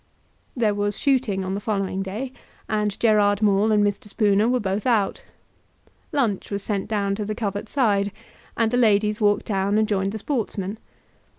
There was shooting on the following day, and Gerard Maule and Mr. Spooner were both out. Lunch was sent down to the covert side, and the ladies walked down and joined the sportsmen.